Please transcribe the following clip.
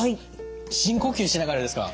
深呼吸しながらですか。